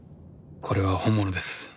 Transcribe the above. これは本物です。